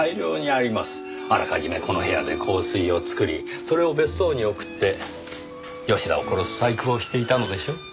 あらかじめこの部屋で香水を作りそれを別荘に送って吉田を殺す細工をしていたのでしょう。